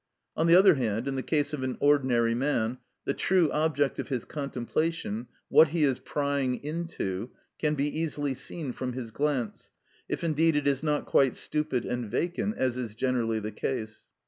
On the other hand, in the case of an ordinary man, the true object of his contemplation, what he is prying into, can be easily seen from his glance, if indeed it is not quite stupid and vacant, as is generally the case.